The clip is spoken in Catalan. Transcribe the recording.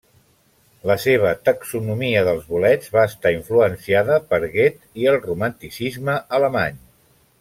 La seva taxonomia dels bolets va estar influenciada per Goethe i el Romanticisme alemany.